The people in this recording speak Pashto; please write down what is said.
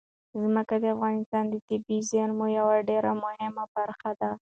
ځمکه د افغانستان د طبیعي زیرمو یوه ډېره مهمه برخه ده.